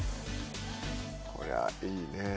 こりゃあいいね。